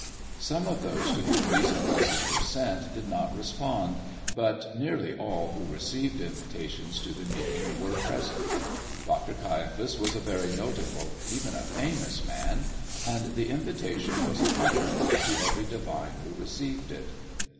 Some few of those to whom these addresses were sent did not respond, but nearly all who received invitations to the meeting were present. Dr. Caiaphas was a very notable, even a famous man, and the invitation was a compliment to every divine who received it.